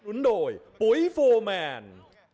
นุนโดยปุ๋ยโฟร์แมน